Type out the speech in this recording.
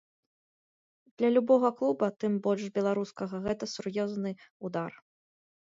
Для любога клуба, тым больш беларускага, гэта сур'ёзны ўдар.